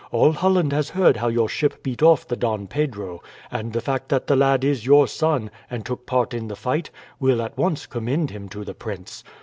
All Holland has heard how your ship beat off the Don Pedro; and the fact that the lad is your son, and took part in the fight, will at once commend him to the prince.